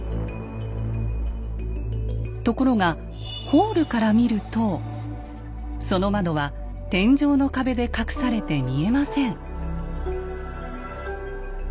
ところがホールから見るとその窓は天井の壁で隠されて見えません。